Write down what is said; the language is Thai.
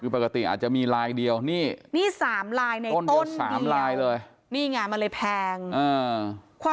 ปกติอาจจะมีลายเดียวนี่๓ลายในต้นเดียว